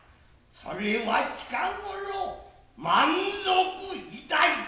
夫は近頃満足いたいた。